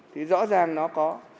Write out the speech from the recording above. thì rõ ràng nó có